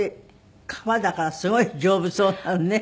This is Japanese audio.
革だからすごい丈夫そうなのね。